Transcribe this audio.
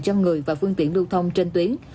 cho người và phương tiện lưu thông trên tuyến